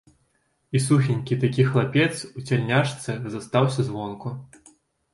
І сухенькі такі хлапец у цяльняшцы застаўся звонку.